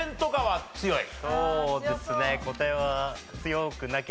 そうですね。